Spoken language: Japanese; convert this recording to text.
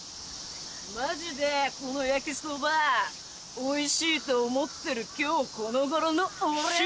マジでこの焼きそばおいしいと思ってる今日この頃の俺だ。